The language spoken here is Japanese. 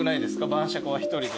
晩酌は１人で。